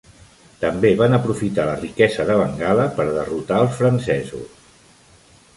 També van aprofitar la riquesa de Bengala per derrotar els francesos.